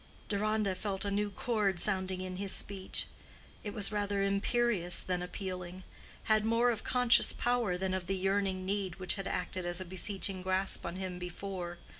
Deronda felt a new chord sounding in his speech: it was rather imperious than appealing—had more of conscious power than of the yearning need which had acted as a beseeching grasp on him before.